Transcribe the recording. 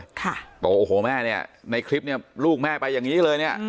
บอกว่าโอ้โหแม่ในคลิปลูกแม่ไปอย่างนี้เลย